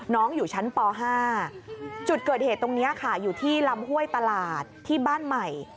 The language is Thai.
อยู่ชั้นป๕จุดเกิดเหตุตรงนี้ค่ะอยู่ที่ลำห้วยตลาดที่บ้านใหม่